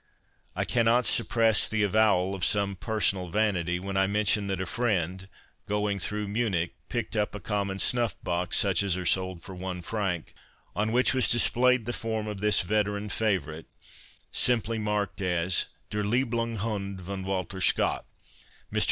I cannot suppress the avowal of some personal vanity when I mention that a friend, going through Munich, picked up a common snuff box, such as are sold for one franc, on which was displayed the form of this veteran favourite, simply marked as Der lieblung hund von Walter Scott. Mr.